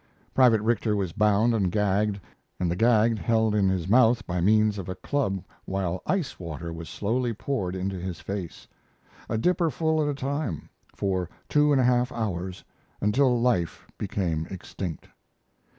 Private Richter was bound and gagged and the gag held in his mouth by means of a club while ice water was slowly poured into his face, a dipper full at a time, for two hours and a half, until life became extinct.